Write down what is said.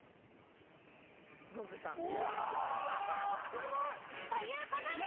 すごい。という事で。